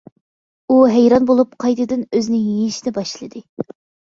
ئۇ ھەيران بولۇپ قايتىدىن ئۆزىنى يېيىشنى باشلىدى.